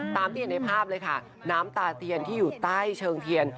ตามที่เห็นในภาพเลยค่ะน้ำตาเทียนที่อยู่ใต้เชิงเทียน